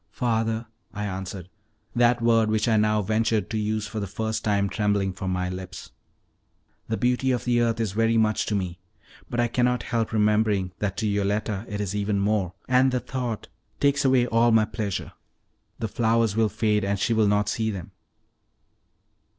"Father," I answered, that word which I now ventured to use for the first time trembling from my lips, "the beauty of the earth is very much to me, but I cannot help remembering that to Yoletta it is even more, and the thought takes away all my pleasure. The flowers will fade, and she will not see them."